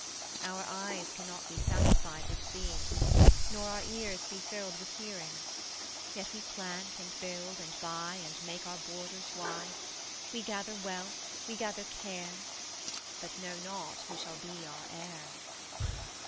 Our eyes cannot be satisfied With seeing, nor our ears be filled With hearing: yet we plant and build And buy and make our borders wide; We gather wealth, we gather care, But know not who shall be our heir.